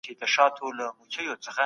ذکر سوی ایت ډېر ماناګانې لري.